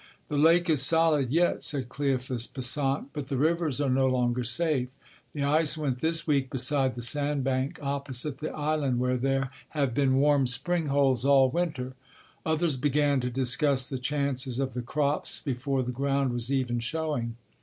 "The lake is solid yet," said Cleophas Pesant, "but the rivers are no longer safe. The ice went this week beside the sand bank opposite the island, where there have been warm spring holes all winter." Others began to discuss the chances of the crops, before the ground was even showing.